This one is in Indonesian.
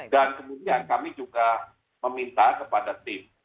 dan kemudian kami juga meminta kepada tim